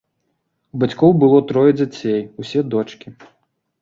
У бацькоў было трое дзяцей, усе дочкі.